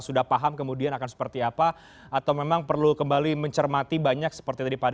sudah paham kemudian akan seperti apa atau memang perlu kembali mencermati banyak seperti tadi pak